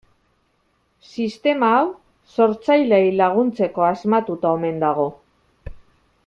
Sistema hau sortzaileei laguntzeko asmatuta omen dago.